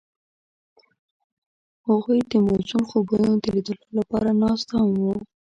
هغوی د موزون خوبونو د لیدلو لپاره ناست هم وو.